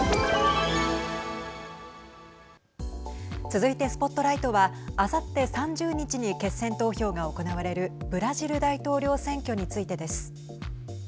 続いてＳＰＯＴＬＩＧＨＴはあさって３０日に決選投票が行われるブラジル大統領選挙についてです。